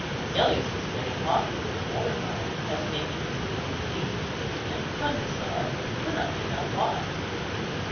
Agellius was getting awkward and mortified, as may be easily conceived, and Jucundus saw it, but could not make out why.